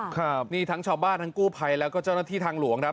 ครับนี่ทั้งชาวบ้านทั้งกู้ภัยแล้วก็เจ้าหน้าที่ทางหลวงครับ